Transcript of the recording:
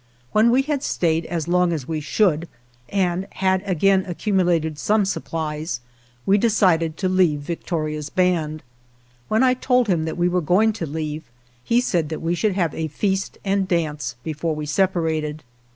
When we had stayed as long as we should, and had again accumulated some supplies, we de cided to leave Victoria's band. When I told him that we were going to leave he said that we should have a feast and dance before we separated.